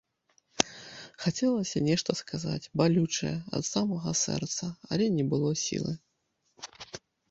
Хацелася нешта сказаць, балючае, ад самага сэрца, але не было сілы.